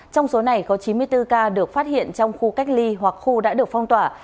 trong số này có chín mươi bốn ca được phát hiện trong khu cách ly hoặc khu đã được phong tỏa